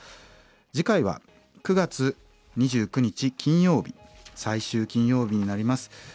次回は９月２９日金曜日最終金曜日になります。